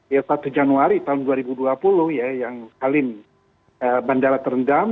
ya satu januari tahun dua ribu dua puluh ya yang halim bandara terendam